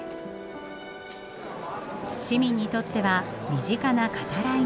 市民にとっては身近な語らいの場。